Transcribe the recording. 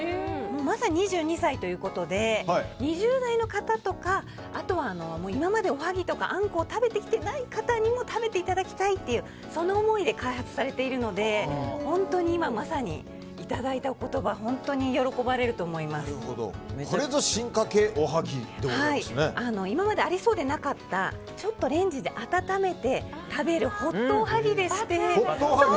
まさに２２歳ということで２０代の方とかあとは今までおはぎとかあんこを食べてきていない人にも食べていただきたいという思いで開発されているので本当に今、まさにいただいた言葉これぞ進化形おはぎで今までありそうでなかったちょっとレンジで温めて食べるホットおはぎでして。